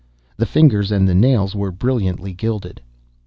The fingers and the nails were brilliantly gilded.